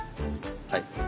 はい。